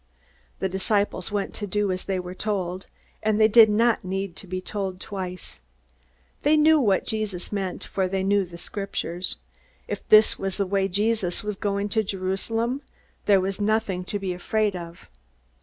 The disciples went to do as they were told, and they did not need to be told twice. They knew what Jesus meant, for they knew the Scriptures. If this was the way Jesus was going to Jerusalem, there was nothing to be afraid of!